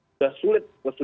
sudah ter pyramid itu tadi